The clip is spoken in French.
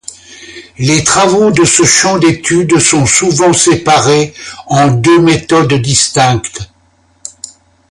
Les travaux de ce champ d'étude sont souvent séparés en deux méthodes distinctes.